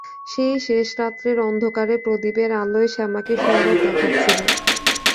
সেই শেষরাত্রের অন্ধকারে প্রদীপের আলোয় শ্যামাকে সুন্দর দেখাচ্ছিল।